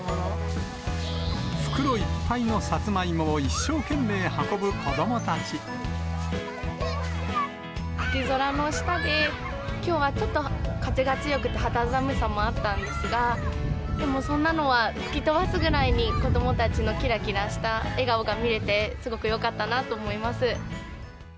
袋いっぱいのさつまいもを一秋空の下で、きょうはちょっと風が強くて、肌寒さもあったんですが、でもそんなのは吹き飛ばすぐらいに子どもたちのきらきらした笑顔が見れて、すごくよかったなと思います。